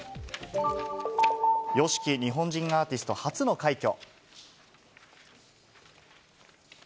ＹＯＳＨＩＫＩ、日本人アーティスト初の快挙。